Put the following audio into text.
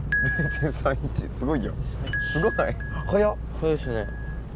速いっすね。